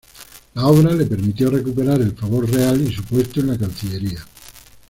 La obra le permitió recuperar el favor real y su puesto en la cancillería.